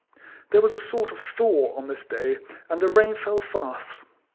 There was a sort of thaw on this day, and the rain fell fast.